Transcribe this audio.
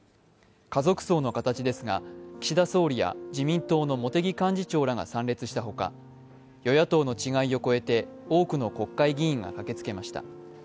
家族葬の形ですが、岸田総理や自民党の茂木幹事長らが参列したほか、与野党の違いを超えて多くの国会議員が駆けつけました。